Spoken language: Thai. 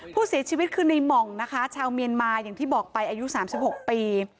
ผู้เสียชีวิตคือในหม่องนะคะชาวเมียนมาอย่างที่บอกไปอายุ๓๖ปี